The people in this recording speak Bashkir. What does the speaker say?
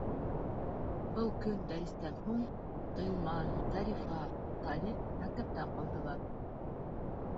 Был көн дәрестән һуң Ғилман, Зарифа, Талип мәктәптә ҡалдылар.